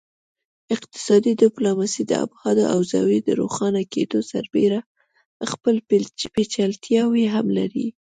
اقتصادي ډیپلوماسي د ابعادو او زاویو د روښانه کیدو سربیره خپل پیچلتیاوې هم لري